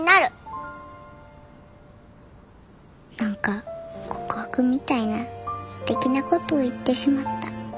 心の声何か告白みたいなすてきなことを言ってしまった。